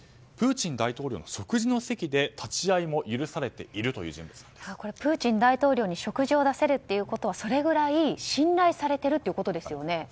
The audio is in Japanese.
プーチン大統領の食事の席でプーチン大統領に食事を出せるということはそれぐらい信頼されているということですよね。